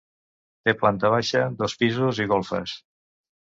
Té planta baixa, dos pisos i golfes.